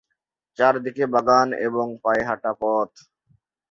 চারদিকে বাগান এবং পায়ে হাঁটা পথ।